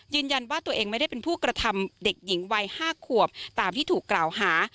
ยืนยันว่าตัวเองไม่ได้เป็นผู้กระทำเด็กหญิงวัย๕ขวบตามที่ถูกกล่าวหา